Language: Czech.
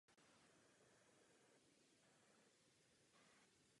V podstatě jde o dva téměř výlučné zdroje informací o japonské mytologii.